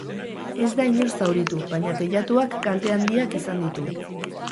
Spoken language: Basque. Ez da inor zauritu, baina teilatuak kalte handiak izan ditu.